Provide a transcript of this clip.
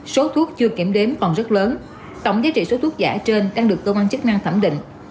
số thuốc chưa kiểm đếm còn rất lớn tổng giá trị số thuốc giả trên đang được cơ quan chức năng thẩm định